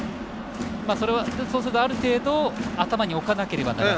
そうすると、ある程度頭に置かなければならない？